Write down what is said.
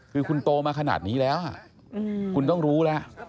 คือคุณโตมาขนาดนี้แล้วคุณต้องรู้แล้ว